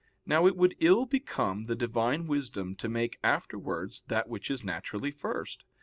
Now it would ill become the Divine wisdom to make afterwards that which is naturally first.